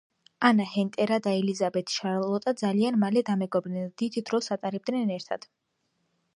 ანა ჰენრიეტა და ელიზაბეთ შარლოტა ძალიან მალე დამეგობრდნენ და დიდ დროს ატარებდნენ ერთად.